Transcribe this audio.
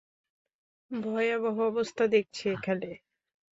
ভয়াবহ অবস্থা দেখছি এখানে!